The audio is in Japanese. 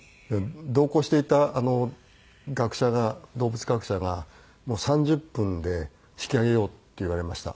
同行していた学者が動物学者が「３０分で引きあげよう」って言われました。